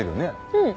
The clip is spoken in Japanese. うん。